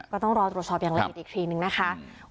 ก็ต้องรอตัวชอบอย่างไรอีกทีนึงนะคะ